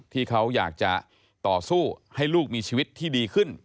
ที่เขาอยากจะต่อสู้ให้ลูกมีชีวิตที่ดีขึ้น